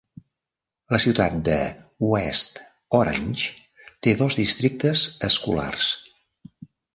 La ciutat de West Orange té dos districtes escolars.